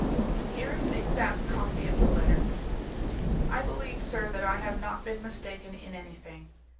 Here is the exact copy of the letter: "I believe, sir, that I have not been mistaken in anything.